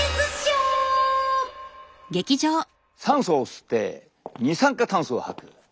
酸素を吸って二酸化炭素を吐く。